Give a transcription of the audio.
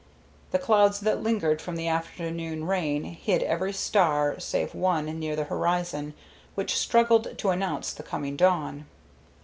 The clouds that lingered from the afternoon rain hid every star save one near the horizon, which struggled to announce the coming dawn.